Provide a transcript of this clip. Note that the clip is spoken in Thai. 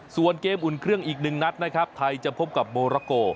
ส่วนเกมอุ่นเครื่องอีกหนึ่งนัดนะครับไทยจะพบกับโมราโก